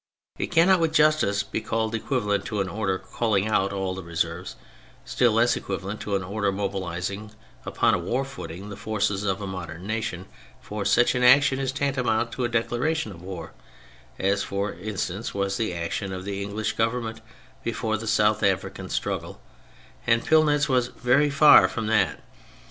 It cannot with justice be called equivalent to an order calling out all the reserves, still less equivalent to an order mobilising upon a war footing the forces of a modern nation, for such an action is tantamount to a declaration of war (as, for instance, was the action of the English Government before the South Africaii struggle), and Pillnitz was very far from that.